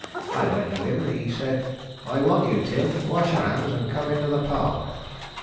I went to him, and he said, 'I want you, Tim; wash your hands and come into the parlor.